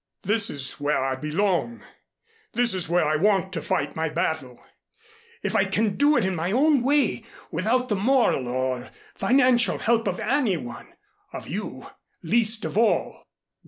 This is where I belong, and this is where I want to fight my battle, if I can do it in my own way without the moral or financial help of any one of you, least of all."